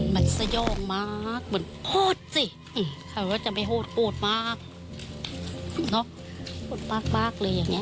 แทบอย่างเอาหัวกลางไปไฟ้นู่นเอาตัวกลางไปไฟ้นี้